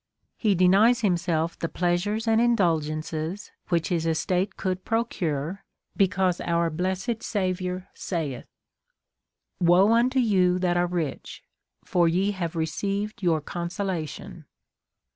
He denies himself the plea sures and indulgences which his estate could prociire^ 16 A SERIOUS CALL TO A because our blessed Saviour saith^ JVoe unto you that are rich, for. ye have received your consolation.